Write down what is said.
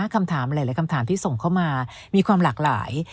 คำถามหลายคำถามที่ส่งเข้ามามีความหลากหลาย